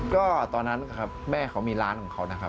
ก็ตอนนั้นแม่เขามีร้านของเขา